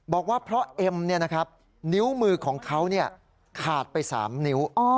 บอกว่าเพราะเอ็มนิ้วมือของเขาขาดไป๓นิ้ว